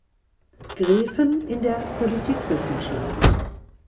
Greven (in der Politikwissenschaft).